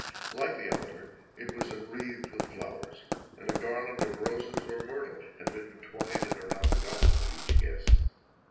Like the altar, it was enwreathed with flowers, and a garland of roses or myrtle had been twined around the goblet of each guest.